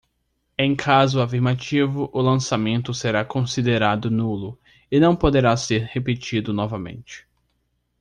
Em caso afirmativo, o lançamento será considerado nulo e não poderá ser repetido novamente.